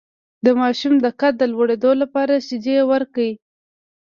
د ماشوم د قد د لوړیدو لپاره شیدې ورکړئ